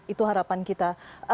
itu harapan kita